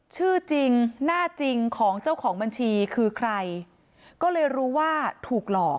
ชื่อจริงหน้าจริงของเจ้าของบัญชีคือใครก็เลยรู้ว่าถูกหลอก